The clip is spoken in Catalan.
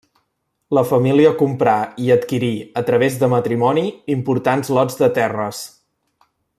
La família comprà i adquirí a través de matrimoni importants lots de terres.